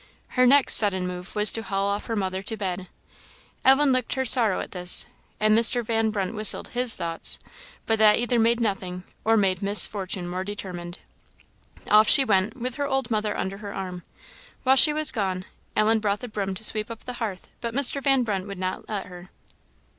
Her next sudden move was to haul off her mother to bed. Ellen looked her sorrow at this, and Mr. Van Brunt whistled his thoughts; but that either made nothing, or made Miss Fortune more determined. Off she went, with her old mother under her arm. While she was gone, Ellen brought the broom to sweep up the hearth, but Mr. Van Brunt would not let her.